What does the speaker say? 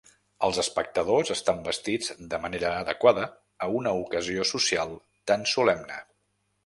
Els espectadors estan vestits de manera adequada a una ocasió social tan solemne.